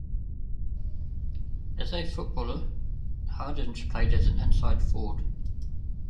As a footballer, Hardinge played as an inside forward.